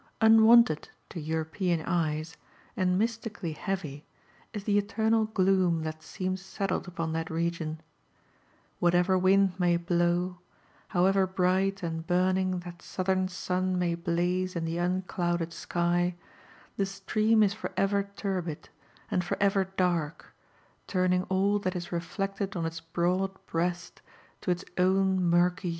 Unwonted to European eyes, and mystically heavy, is the eternal * gloom that seems settled upon that region/ Whatever wind may blow ' —however bright and burning that southern sun may blaze in Ihe un clouded sky, the stream is for ever turbid, and for ever dark, turning all that is reflected on its broad breast to its own murky